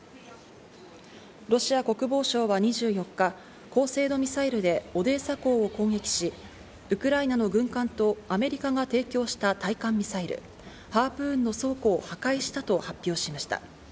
ロシア国防省は２４日、高精度ミサイルでオデーサ港を攻撃し、ウクライナの軍艦とアメリカが提供した対艦ミサイル・ハープーンの倉庫を破壊したと発表しました。